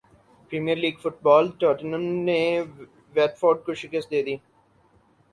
premiere league فٹبالٹوٹنہم نے Watford کو شکست دیدی